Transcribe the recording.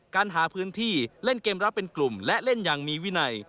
การหาพื้นที่เล่นเกมรับเป็นกลุ่มและเล่นอย่างมีวินัย